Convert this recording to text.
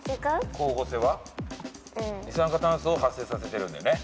光合成は二酸化炭素を発生させてるんだよね。